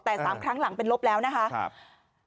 แต่๓ครั้งหลังเป็นลบแล้วนะคะ